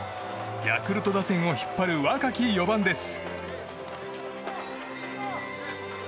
ヤクルト打線を引っ張る若き４番です。